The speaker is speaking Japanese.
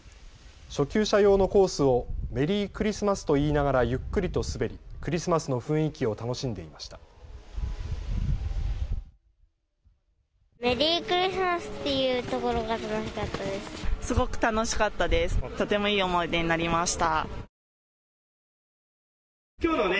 初級者用のコースをメリークリスマスと言いながらゆっくりと滑り、クリスマスの雰囲気を楽しんでいました。